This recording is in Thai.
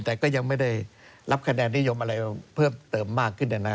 แต่ก็ยังไม่ได้รับคะแนนนิยมอะไรเพิ่มเติมมากขึ้น